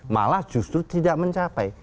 malah justru tidak mencapai